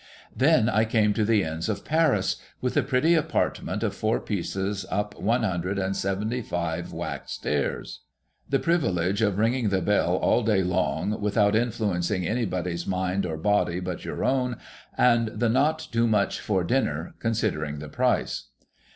Then I came to the Inns of Paris, with the pretty apartment of four pieces up one hundred and seventy five waxed stairs, the privilege of ringing the bell all day long without influencing anybody's mind or body but your own, and the not too much for dinner, considering the price.